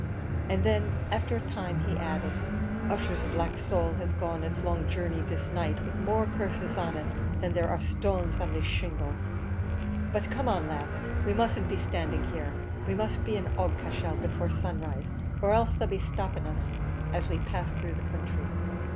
And then, after a time, he added, "Ussher's black soul has gone its long journey this night with more curses on it than there are stones on these shingles. But come on, lads, we mustn't be standing here; we must be in Aughacashel before sunrise, or else they'll be stopping us as we pass through the counthry."